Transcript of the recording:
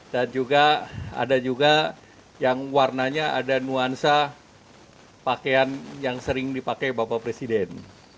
dan juga ada juga yang warnanya ada nuansa pakaian yang sering dipakai bapak presiden